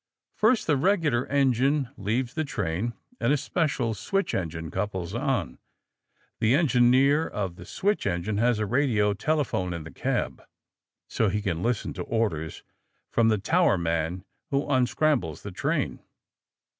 First the regular engine leaves the train and a special switch engine couples on. The engineer of the switch engine has a radio telephone in the cab, so he can listen to orders from the towerman who unscrambles the train.